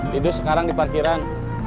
didu sekarang di parkiran